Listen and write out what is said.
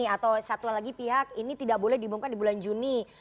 atau satu lagi pihak ini tidak boleh diumumkan di bulan juni